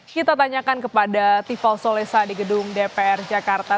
kita tanyakan kepada tifal solesa di gedung dpr jakarta